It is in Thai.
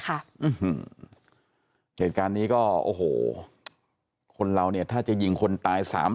เหตุการณ์นี้ก็โอ้โหคนเราเนี่ยถ้าจะยิงคนตายสาม